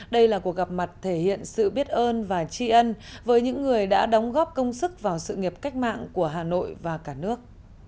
đây là cuộc gặp mặt thể hiện sự biết ơn và tri ân với những người đã đóng góp công sức vào sự nghiệp cách mạng của hà nội và cả nước